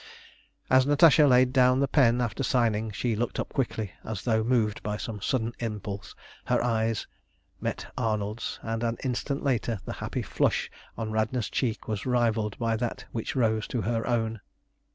As Natasha laid down the pen after signing she looked up quickly, as though moved by some sudden impulse, her eyes met Arnold's, and an instant later the happy flush on Radna's cheek was rivalled by that which rose to her own.